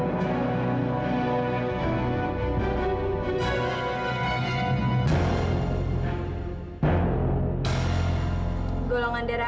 sudah bisa diketahui